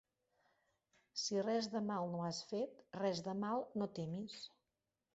Si res de mal no has fet, res de mal no temis.